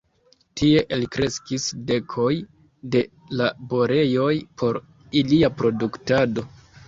Tie elkreskis dekoj de laborejoj por ilia produktado.